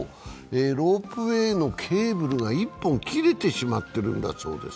ロープウエーのケーブルが１本切れてしまっているんだそうです。